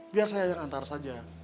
biar saya yang antar saja